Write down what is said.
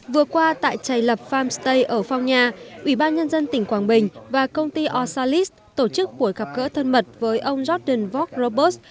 vừa qua tại chày lập farmstay ở phong nha ủy ban nhân dân tỉnh quảng bình và công ty osalis tổ chức buổi gặp gỡ thân mật với ông jordan vok robert